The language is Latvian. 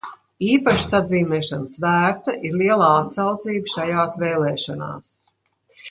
Īpašas atzīmēšanas vērta ir lielā atsaucība šajās vēlēšanās.